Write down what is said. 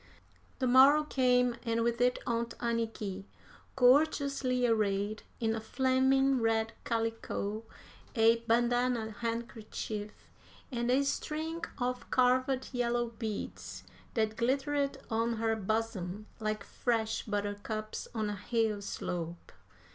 The morrow came, and with it Aunt Anniky, gorgeously arrayed in a flaming red calico, a bandanna handkerchief, and a string of carved yellow beads that glittered on her bosom like fresh buttercups on a hill slope.